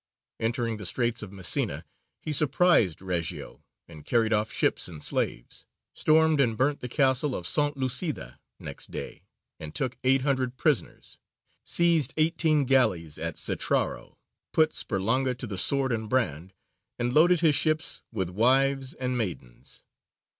Entering the Straits of Messina, he surprised Reggio, and carried off ships and slaves; stormed and burnt the castle of S. Lucida next day, and took eight hundred prisoners; seized eighteen galleys at Cetraro; put Sperlonga to the sword and brand, and loaded his ships with wives and maidens.